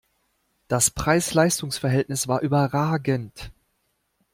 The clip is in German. Das Preis-Leistungs-Verhältnis war überragend!